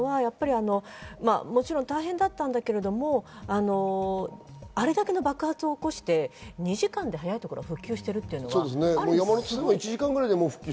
もちろん大変だったんだけども、あれだけの爆発を起こして２時間で早いところは復旧している。